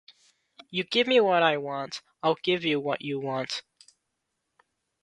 You give me what I want, I'll give you what you want.